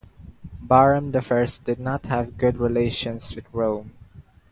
Bahram the First did not have good relations with Rome.